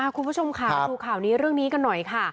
คุณผู้ชมค่ะมาดูข่าวนี้เรื่องนี้กันหน่อยค่ะ